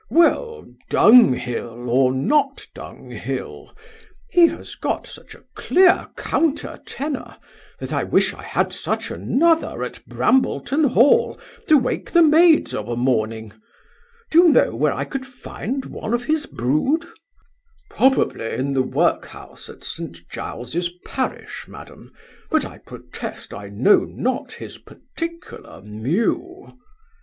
'Well, dunghill, or not dunghill, he has got such a clear counter tenor, that I wish I had such another at Brambleton hall, to wake the maids of a morning. Do you know where I could find one of his brood?' 'Probably in the work house at St Giles's parish, madam; but I protest I know not his particular mew!